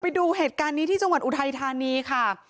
ไปดูเหตุการณ์นี้ที่จังหวัดอุทัยธานีค่ะ